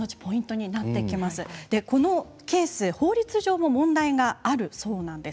このケース、法律上問題があるそうなんです。